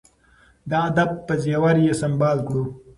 د ادب په زیور یې سمبال کړو.